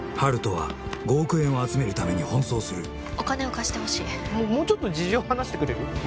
温人は５億円を集めるために奔走するお金を貸してほしいもうちょっと事情を話してくれる？